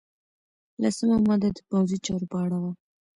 لسمه ماده د پوځي چارو په اړه وه.